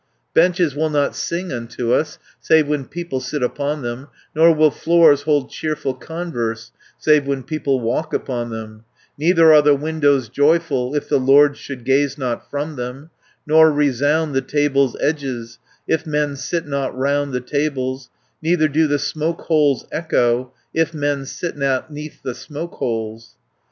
280 Benches will not sing unto us, Save when people sit upon them, Nor will floors hold cheerful converse, Save when people walk upon them, Neither are the windows joyful, If the lords should gaze not from them, Nor resound the table's edges, If men sit not round the tables, Neither do the smoke holes echo, If men sit not 'neath the smoke holes."